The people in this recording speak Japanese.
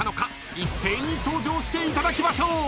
［一斉に登場していただきましょう］